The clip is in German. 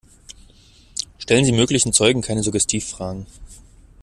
Stellen Sie möglichen Zeugen keine Suggestivfragen.